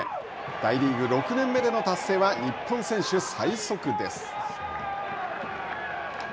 大リーグ６年目での達成は日本選手最速です。